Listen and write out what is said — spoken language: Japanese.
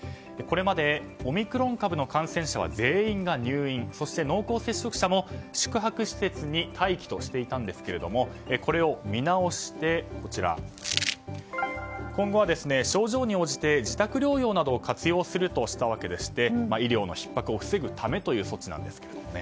これまでオミクロン株の感染者は全員が入院そして濃厚接触者も宿泊施設に待機としていたんですがこれを見直して今後は症状に応じて自宅療養などを活用するとしたわけでして医療のひっ迫を防ぐためという措置なんです。